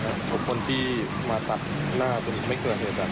หมายถึง๖คนที่มาตัดหน้าของเราไม่เกลือเหตุอย่างแบบนี้